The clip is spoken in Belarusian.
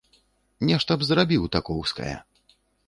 Нешта б зрабіў такоўскае.